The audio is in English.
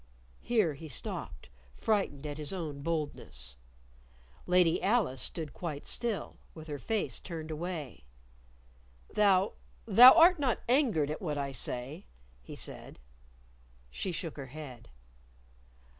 Here he stopped, frightened at his own boldness. Lady Alice stood quite still, with her face turned away. "Thou thou art not angered at what I say?" he said. She shook her head.